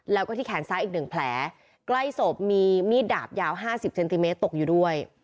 แล้วก็ที่แขนซ้ายอีกหนึ่งแผลใกล้ศพมีมีดดาบยาว๕๐เซนติเมตรตกอยู่ด้วย